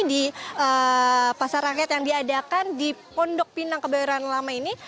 di pasar rakyat yang diadakan di pondok pinang kebayoran lama ini